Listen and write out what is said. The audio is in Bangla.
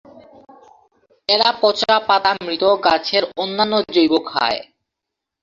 এরা পচা পাতা, মৃত গাছের অন্যান্য জৈব খায়।